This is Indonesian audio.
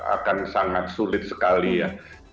akan sangat sulit sekali ya